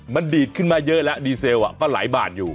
มันดีดขึ้นมาเยอะแล้วดีเซลก็หลายบาทอยู่